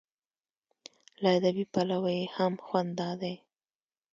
له ادبي پلوه یې هم خوند دا دی.